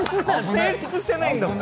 成立してないんだもん。